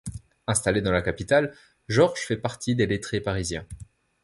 Installé dans la capitale, George fait partie des lettrés parisiens.